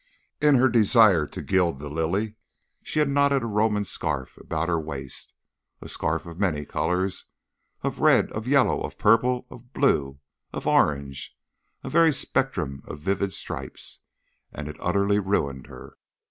In her desire to gild the lily she had knotted a Roman scarf about her waist a scarf of many colors, of red, of yellow, of purple, of blue, of orange a very spectrum of vivid stripes, and it utterly ruined her.